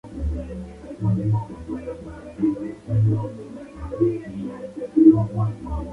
Se encuentra en el punto medio geográfico de Italia.